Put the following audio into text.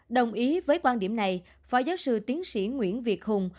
đồng ý với quan điểm này phó giáo sư tiến sĩ nguyễn việt hùng